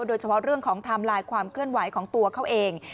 โดยเฉพาะเรื่องของไทม์ไลน์ความเคลื่อนไหวของตัวเขาเอง